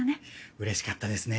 うれしかったですね。